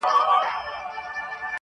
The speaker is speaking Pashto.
o په هوا کي ماڼۍ نه جوړېږي٫